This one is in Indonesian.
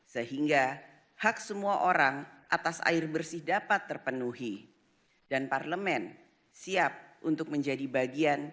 sehingga hak semua orang atas air bersih dapat terpenuhi dan parlemen siap untuk menjadi bagian